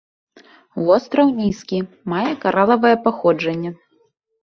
Востраў нізкі, мае каралавае паходжанне.